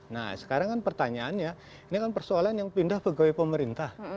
nah sekarang kan pertanyaannya ini kan persoalan yang pindah pegawai pemerintah